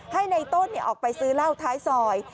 ให้ในต้นออกไปซื้อเหล้าท้ายซอย